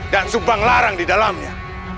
dan subang larang di dalamnya